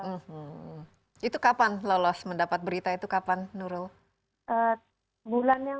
hmm itu kapan lolos mendapat berita itu kapan nurul